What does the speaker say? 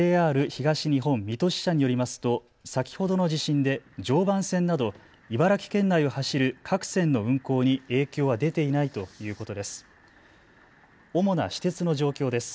ＪＲ東日本水戸支社によりますと先ほどの地震で常磐線など茨城県内を走る各線の運行に影響は出ていないということです。